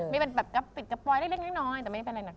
มันต้องติดกับปลอยเล็กน้อยแต่ไม่ได้เป็นอะไรหนักหนา